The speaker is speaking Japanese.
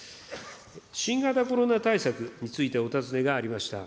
新型コロナ対策についてお尋ねがありました。